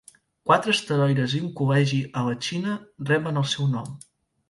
Quatre asteroides i un col·legi a la Xina reben el seu nom.